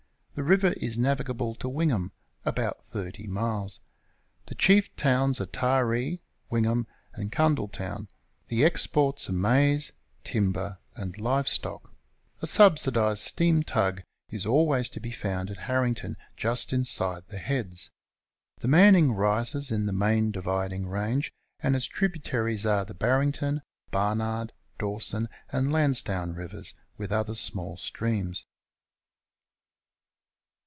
The river is navigable to AViugham, about 30 miles. The chief towns are Taree, AVinghara, and Cundletown. The exports are maize, timber, and live stock. A subsidised steam tug is always to be found at Harrington, just inside the heads. The Manning rises in the Main Dividing Range, and its tributaries are the Barrington, Barnard, Dawson, and Lansdown Rivers, with other small streams.